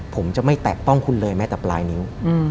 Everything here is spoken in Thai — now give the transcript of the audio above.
ผมจะไม่แตะต้องคุณเลยแม้แต่ปลายนิ้ว